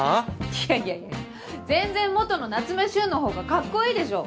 いやいやいや全然元の夏目瞬のほうがかっこいいでしょ。